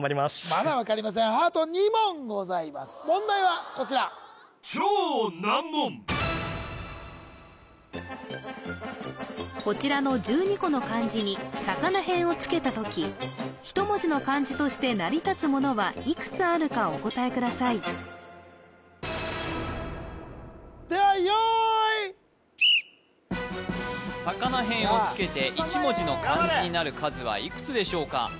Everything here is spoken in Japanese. まだ分かりません問題はこちらこちらの１２個の漢字に魚へんをつけた時１文字の漢字として成り立つものはいくつあるかお答えくださいでは用意魚へんをつけて１文字の漢字になる数はいくつでしょうか？